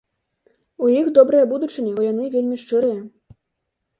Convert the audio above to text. У іх добрая будучыня, бо яны вельмі шчырыя.